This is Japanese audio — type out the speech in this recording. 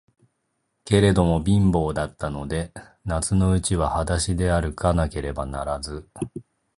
けれども、貧乏だったので、夏のうちははだしであるかなければならず、